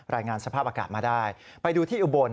รายงานสภาพอากาศมาได้ไปดูที่อุบล